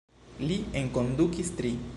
Li enkondukis tri.